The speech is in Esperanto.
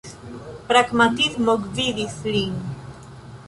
Pragmatismo gvidis lin.